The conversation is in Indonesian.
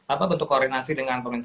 apa bentuk koordinasi dengan